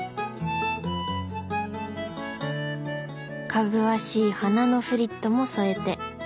かぐわしい花のフリットも添えて。